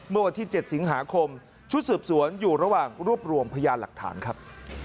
เมื่อวันที่๗สิงหาคมชุดสืบสวนอยู่ระหว่างรวบรวมพยานหลักฐานครับ